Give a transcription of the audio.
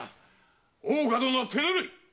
大岡殿は手ぬるい！